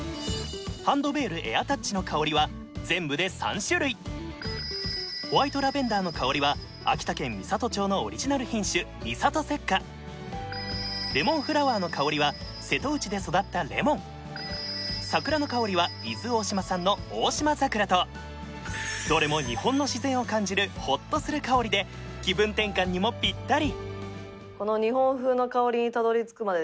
ハンドベールエアタッチの香りは全部で３種類ホワイトラベンダーの香りは秋田県美郷町のオリジナル品種美郷雪華レモンフラワーの香りは瀬戸内で育ったレモンさくらの香りは伊豆大島産のオオシマザクラとどれも日本の自然を感じるホッとする香りで気分転換にもぴったり！